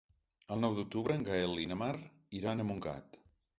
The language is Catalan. El nou d'octubre en Gaël i na Mar iran a Montgat.